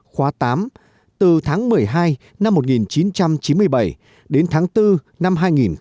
khóa tám từ tháng một mươi hai năm một nghìn chín trăm chín mươi bảy đến tháng bốn năm hai nghìn một mươi bảy